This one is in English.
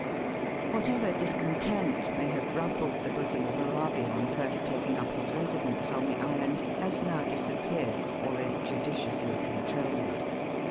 Whatever discontent may have ruffled the bosom of Arabi on first taking up his residence on the island has now disappeared or is judiciously controlled.